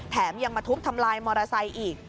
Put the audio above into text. แถมยังมาทุบทำลายมอเตอร์ไซค์อีก